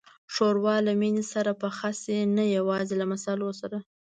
ښوروا له مینې سره پخه شي، نه یوازې له مصالحو.